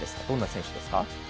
どんな選手ですか？